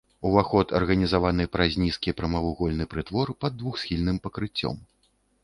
Уваход арганізаваны праз нізкі прамавугольны прытвор пад двухсхільным пакрыццём.